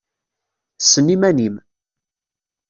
Ssen iman-im!